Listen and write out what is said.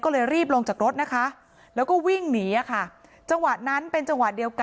ก็เลยรีบลงจากรถนะคะ